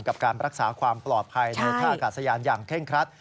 กับการรักษาความปลอดภัยในท่าอากาศยานอย่างเคร่งครัด